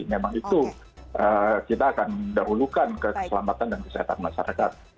memang itu kita akan dahulukan ke keselamatan dan kesehatan masyarakat